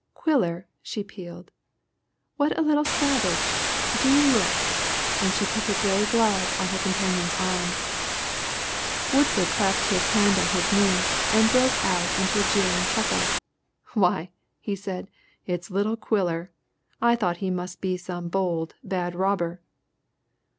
"Quiller!" she pealed, "what a little savage! Do look!" And she put her grey glove on her companion's arm. Woodford clapped his hand on his knee, and broke out into a jeering chuckle. "Why!" he said, "it's little Quiller. I thought it must be some bold, bad robber."